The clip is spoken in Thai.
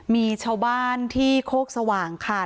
มีชาวบ้านที่โคกสว่างค่ะ